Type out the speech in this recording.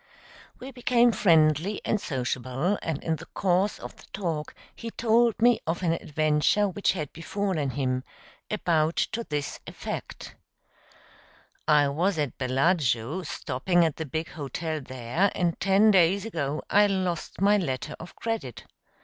We became friendly and sociable, and in the course of the talk he told me of an adventure which had befallen him about to this effect: "I was at Bellagio, stopping at the big hotel there, and ten days ago I lost my letter of credit.